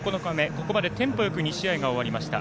ここまでテンポよく２試合が終わりました。